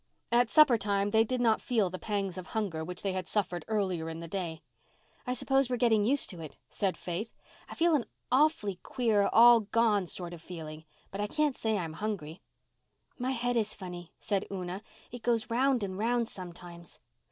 At supper time they did not feel the pangs of hunger which they had suffered earlier in the day. "I suppose we're getting used to it," said Faith. "I feel an awfully queer all gone sort of feeling, but I can't say I'm hungry." "My head is funny," said Una. "It goes round and round sometimes."